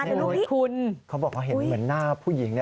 นี่รูปนี้คุณโอ้ยเขาบอกว่าเห็นเหมือนหน้าผู้หญิง